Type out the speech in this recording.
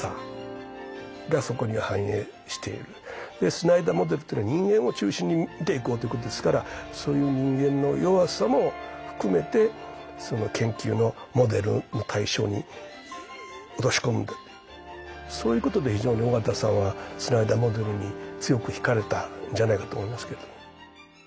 スナイダーモデルというのは人間を中心に見ていこうということですからそういう人間の弱さも含めてそういうことで非常に緒方さんはスナイダーモデルに強くひかれたんじゃないかと思いますけども。